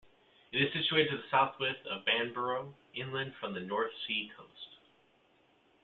It is situated to the south-west of Bamburgh, inland from the North Sea coast.